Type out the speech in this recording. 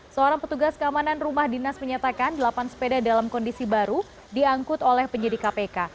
seorang petugas keamanan rumah dinas menyatakan delapan sepeda dalam kondisi baru diangkut oleh penyidik kpk